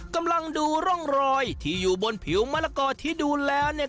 กำลังดูร่องรอยที่อยู่บนผิวมะละกอที่ดูแล้วเนี่ย